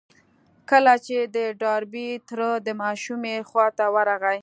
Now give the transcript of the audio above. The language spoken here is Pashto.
کله چې د ډاربي تره د ماشومې خواته ورغی.